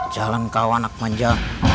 jalan kau anak manja